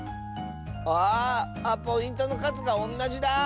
あポイントのかずがおんなじだ。